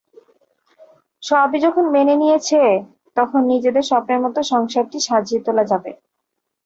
সবাই যখন মেনে নিয়েছে তখন নিজেদের স্বপ্নের মতো সংসারটি সাজিয়ে তোলা যাবে।